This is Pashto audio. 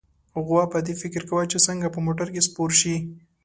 غوا په دې فکر کې وه چې څنګه په موټر کې سپور شي.